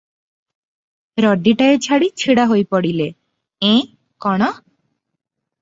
ରଡ଼ିଟାଏ ଛାଡ଼ି ଛିଡ଼ା ହୋଇପଡ଼ିଲେ, "ଏଁ କଣ?